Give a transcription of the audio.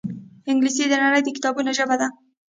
انګلیسي د نړۍ د کتابونو ژبه ده